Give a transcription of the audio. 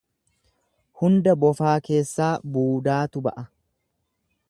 Hunda bofaa keessaa buudaatu ba’a.